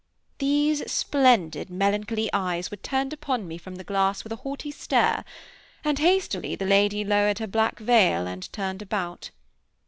These splendid melancholy eyes were turned upon me from the glass, with a haughty stare, and hastily the lady lowered her black veil, and turned about.